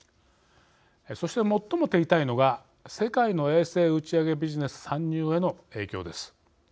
そして最も手痛いのが世界の衛星打ち上げビジネス参入への影響です。